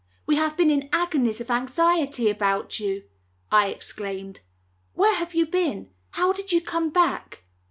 We have been in agonies of anxiety about you," I exclaimed. "Where have you been? How did you come back?"